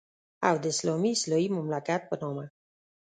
او د اسلامي اصلاحي مملکت په نامه.